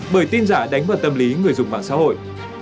bởi tin giả đánh vào tâm lý người dùng mạng xã hội